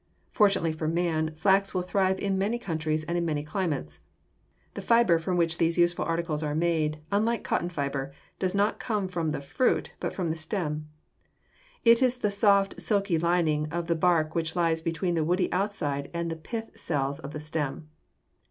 Fortunately for man, flax will thrive in many countries and in many climates. The fiber from which these useful articles are made, unlike cotton fiber, does not come from the fruit, but from the stem. It is the soft, silky lining of the bark which lies between the woody outside and the pith cells of the stem.